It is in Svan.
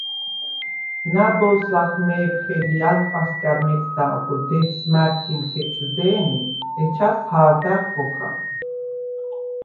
ნა̈ბოზს ლახ მე̄ფხე ლი ი ანტყვასგა̈რ მეწდანღო დეცს მა̈რჴიმ ხეჭვდე̄ნი, ეჩას ჰა̄ვდა̈რ ხოხა.